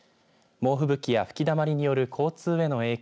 猛吹雪や吹きだまりによる交通への影響